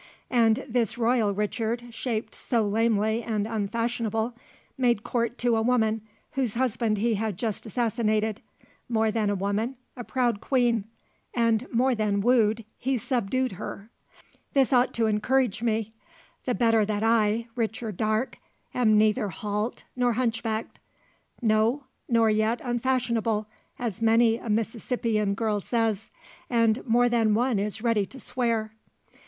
And this royal Richard, shaped `so lamely and unfashionable,' made court to a woman, whose husband he had just assassinated more than a woman, a proud queen and more than wooed, he subdued her. This ought to encourage me; the better that I, Richard Darke, am neither halt, nor hunchbacked. No, nor yet unfashionable, as many a Mississippian girl says, and more than one is ready to swear.